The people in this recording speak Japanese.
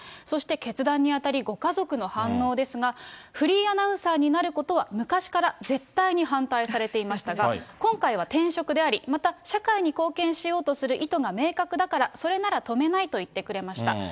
そして、決断にあたり、ご家族の反応ですが、フリーアナウンサーになることは昔から絶対に反対されていましたが、今回は転職であり、また社会に貢献しようとする意図が明確だから、それなら止めないと言ってくれました。